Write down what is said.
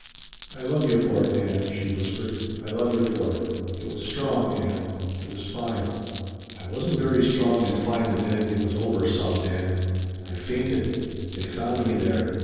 "I love you for it, Ann," she whispered. "I love you for it. It was strong, Ann. It was fine." "I wasn't very strong and fine the minute it was over," sobbed Ann. "I fainted. They found me there.